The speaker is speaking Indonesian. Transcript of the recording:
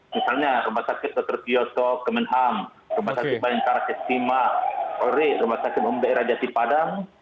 misalnya rumah sakit dr suyoto kemenham rumah sakit bayangkarak istima rumah sakit umum daerah jati padang